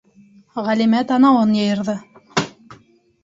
- Ғәлимә, танауын йыйырҙы.